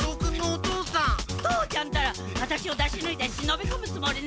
父ちゃんったらアタシを出しぬいて忍びこむつもりね！